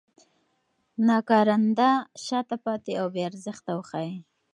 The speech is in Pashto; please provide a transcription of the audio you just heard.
ناکارنده، شاته پاتې او بې ارزښته وښيي.